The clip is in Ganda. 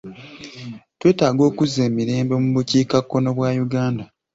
Twetaaga okuzza emirembe mu bukiikakkono bwa Uganda.